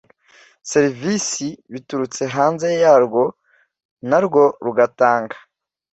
serivisi biturutse hanze yarwo na rwo rugatanga